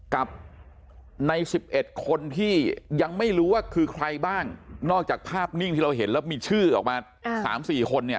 กับใน๑๑คนที่ยังไม่รู้ว่าคือใครบ้างนอกจากภาพนิ่งที่เราเห็นแล้วมีชื่อออกมา๓๔คนเนี่ย